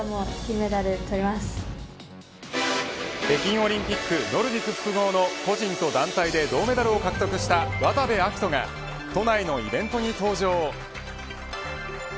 北京オリンピックノルディック複合の個人と団体で銅メダルを獲得した渡部暁斗が都内のイベントに登場。